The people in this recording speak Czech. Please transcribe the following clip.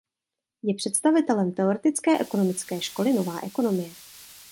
Je představitelem teoretické ekonomické školy nová ekonomie.